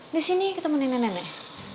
di sini ketemu nenek nenek